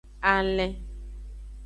Alen.